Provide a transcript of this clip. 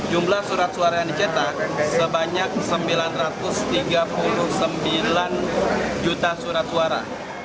jumlah surat suara yang dicetak sebanyak sembilan ratus tiga puluh sembilan juta surat suara